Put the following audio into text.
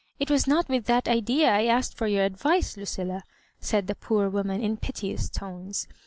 It was not with that idea I asked for your advice, Lucilla," said the poor woman, in piteous tones.